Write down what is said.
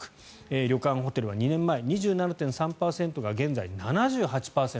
旅館・ホテルは２年前２７．３％が現在、７８％。